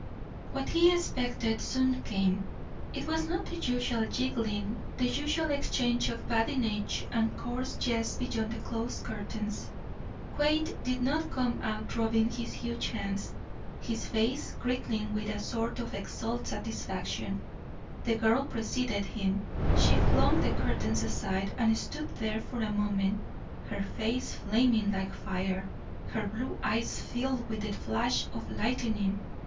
What he expected soon came. It was not the usual giggling, the usual exchange of badinage and coarse jest beyond the closed curtains. Quade did not come out rubbing his huge hands, his face crinkling with a sort of exultant satisfaction. The girl preceded him. She flung the curtains aside and stood there for a moment, her face flaming like fire, her blue eyes filled with the flash of lightning.